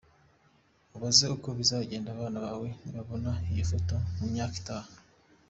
Ibaze uko bizagenda abana bawe nibabona iyi foto mu myaka itaha?”.